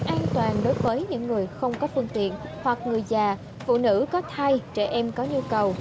an toàn đối với những người không có phương tiện hoặc người già phụ nữ có thai trẻ em có nhu cầu